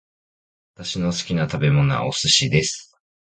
私の好きな食べ物はお寿司です